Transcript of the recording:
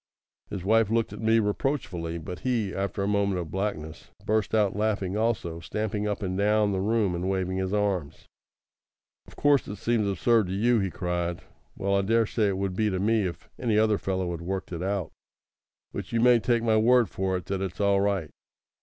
His wife looked at me reproachfully; but he, after a moment of blackness, burst out laughing also, stamping up and down the room and waving his arms. "Of course it seems absurd to you," he cried. "Well, I daresay it would to me if any other fellow had worked it out. But you may take my word for it that it's all right.